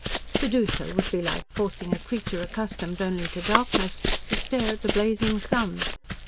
To do so would be like forcing a creature accustomed only to darkness, to stare at the blazing sun.